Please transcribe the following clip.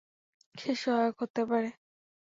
সে সহায়ক হতে পারে।